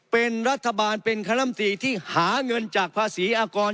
เป็นรัฐบาลเป็นคณะลำตีที่หาเงินจากภาษีอากร